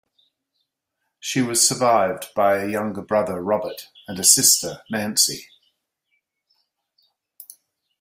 She was survived by a younger brother, Robert, and a sister, Nancy.